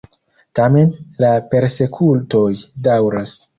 Tamen la persekutoj daŭras.